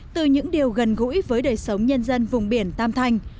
từ những điều gần gũi với đời sống nhân dân vùng biển tam thanh